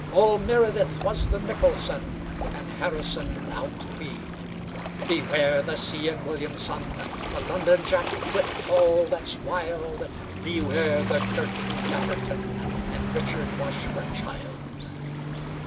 All meredith was the nicholson, And harrison outqueed. Beware the see enn william, son, The londonjack with call that's wild. Beware the gertroo datherton And richardwashburnchild.